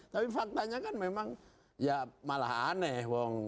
tapi faktanya kan memang ya malah aneh wong